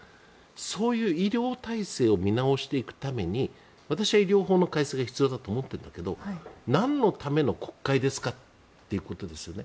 そういう医療体制を見直していくために私は医療法の改正が必要だと思っているんだけどなんのための国会ですかということですよね。